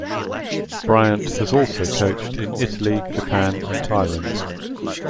Bryant has also coached in Italy, Japan and Thailand.